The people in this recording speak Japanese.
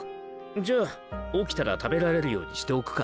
じゃあ起きたら食べられるようにしておくか。